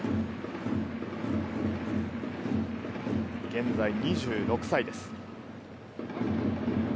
現在２６歳です。